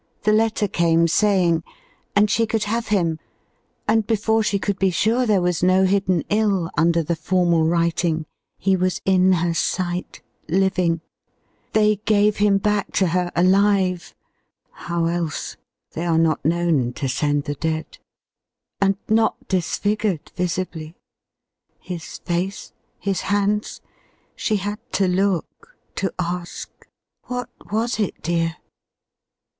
The letter came Saying ... and she could have him. And before She could be sure there was no hidden ill Under the formal writing, he was in her sight ŌĆö Living. ŌĆö They gave him back to her alive ŌĆö How else? They are not known to send the dead ŌĆö And not disfigured visibly. His face? ŌĆö His hands? She had to look ŌĆö to ask, "What was it, dear?"